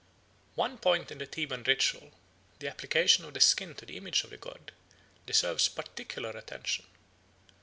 One point in the Theban ritual the application of the skin to the image of the god deserves particular attention.